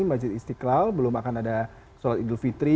majid istiqlal belum akan ada sholat idul fitri